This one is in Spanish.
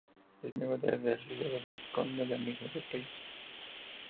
Es miembro de la Real Sociedad Bascongada de Amigos del País.